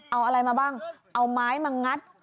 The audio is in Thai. เอาอะไรมาบ้างเอาไม้มางัด